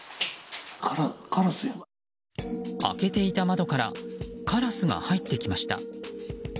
開けていた窓からカラスが入ってきました。